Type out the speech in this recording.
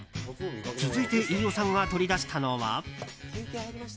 続いて飯尾さんが取り出したのは。